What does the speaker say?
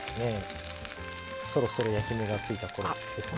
そろそろ焼き目がついた頃ですね。